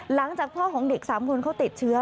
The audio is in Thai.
หลังจากพ่อของเด็ก๓คนเขาติดเชื้อ